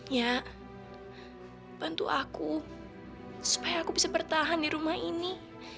ya bantu aku supaya aku bisa bertahan di rumah ini